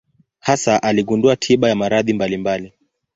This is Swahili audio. Hasa aligundua tiba ya maradhi mbalimbali.